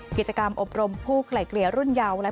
กิจกรรมอบรมผู้ไกลเกลี่ยรุ่นเยา